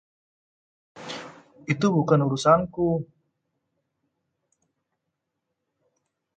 Itu bukan urusanku.